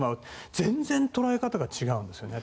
全然、捉え方が違うんですよね。